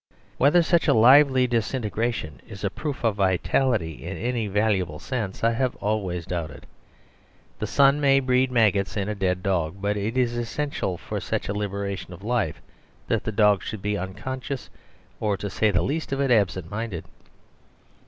Whether such a lively disintegration is a proof of vitality in any valuable sense I have always doubted. The sun may breed maggots in a dead dog; but it is essential for such a liberation of life that the dog should be unconscious or (to say the least of it) absent minded.